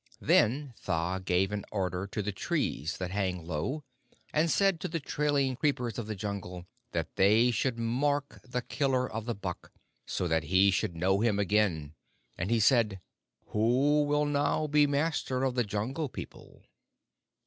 Then Tha gave an order to the trees that hang low, and to the trailing creepers of the Jungle, that they should mark the killer of the buck so that he should know him again, and he said, 'Who will now be master of the Jungle People?'